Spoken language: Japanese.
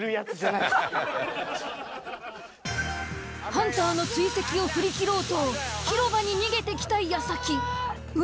ハンターの追跡を振り切ろうと広場に逃げてきたやさき運